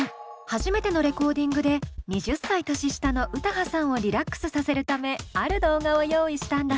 初めてのレコーディングで２０歳年下の歌羽さんをリラックスさせるためある動画を用意したんだそう。